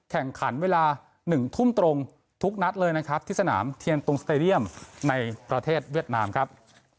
แข่งขันเวลา๑ทุ่มตรงทุกนัดเลยนะครับที่สนามเทียนตุงสเตรเดียมในประเทศเวียดนามครับ